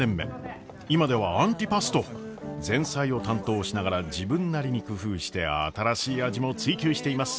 今ではアンティパスト前菜を担当しながら自分なりに工夫して新しい味も追求しています。